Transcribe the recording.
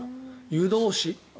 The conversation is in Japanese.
湯通し。